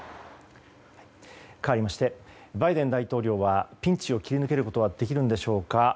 かわりましてバイデン大統領はピンチを切り抜けることはできるんでしょうか。